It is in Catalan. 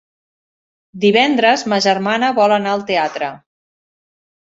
Divendres ma germana vol anar al teatre.